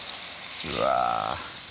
うわ